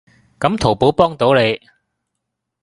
噉淘寶幫到你